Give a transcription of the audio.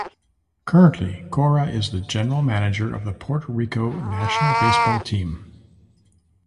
Currently, Cora is the General Manager of the Puerto Rico national baseball team.